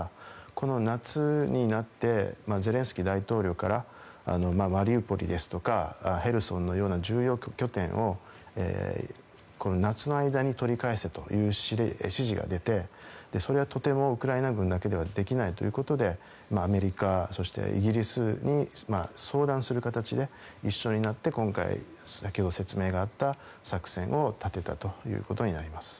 この夏になってゼレンスキー大統領からマリウポリですとかヘルソンのような重要拠点を夏の間に取り返せという指示が出てそれはとてもウクライナ軍だけではできないということでアメリカ、イギリスに相談する形で一緒になって今回先ほど説明があった作戦を立てたということになります。